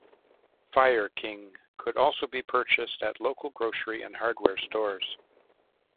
Fire-King could also be purchased at local grocery and hardware stores.